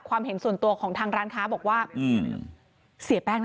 ความเห็นส่วนตัวของทางร้านค้าบอกว่าอื้มเสียแป้ง